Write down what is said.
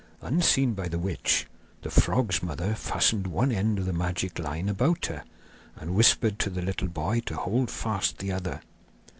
Unseen by the witch, the frog's mother fastened one end of the magic line about her, and whispered to the little boy to hold fast the other.